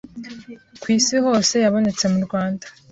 ku Isi hose yabonetse mu Rwanda